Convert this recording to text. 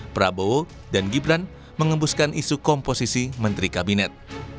prabowo dan gibran mengembuskan isu komposisi menteri kabinet